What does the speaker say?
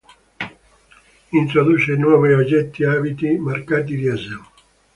Introduce nuovi oggetti e abiti marcati Diesel.